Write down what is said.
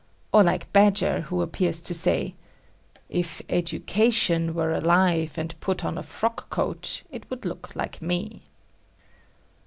Or like Badger who appears to say; "If 'Education' were alive and put on a frockcoat, it would look like me."